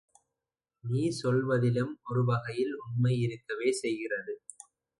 நீ சொல்வதிலும் ஒருவகையில் உண்மை இருக்கவே செய்கிறது.